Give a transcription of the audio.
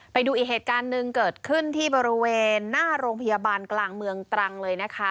ไปดูอีกเหตุการณ์หนึ่งเกิดขึ้นที่บริเวณหน้าโรงพยาบาลกลางเมืองตรังเลยนะคะ